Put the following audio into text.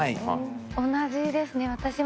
同じですね私も。